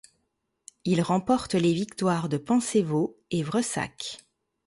Il remporte les victoires de Pančevo et de Vršac.